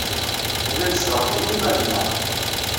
Nella nezdeɣ din i yiman-nneɣ.